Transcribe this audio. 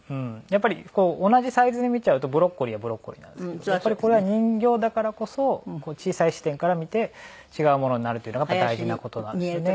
同じサイズで見ちゃうとブロッコリーはブロッコリーなんですけどやっぱりこれは人形だからこそ小さい視点から見て違うものになるっていうのが大事な事なんですよね。